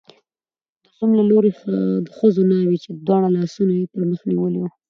د زوم د لوري ښځو ناوې، چې دواړه لاسونه یې پر مخ نیولي وو